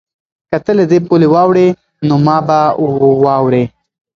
که ته له دې پولې واوړې نو ما به واورې؟